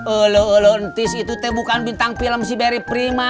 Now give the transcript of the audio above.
elu elu ntis itu bukan bintang film si barry prima